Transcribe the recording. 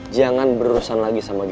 jangan berurusan lagi sama geng sergala